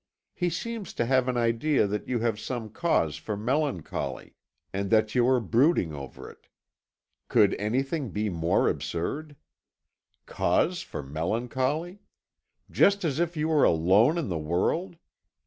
He seems to have an idea that you have some cause for melancholy, and that you are brooding over it. Could anything be more absurd? Cause for melancholy! Just as if you were alone in the world!